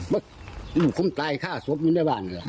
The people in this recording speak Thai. ว่าลูกคงตายฆ่าสวบนี้ได้บ้าง